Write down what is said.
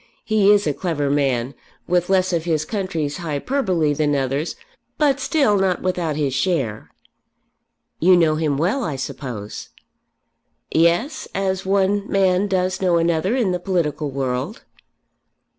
He is a clever man, with less of his country's hyperbole than others; but still not without his share." "You know him well, I suppose." "Yes; as one man does know another in the political world."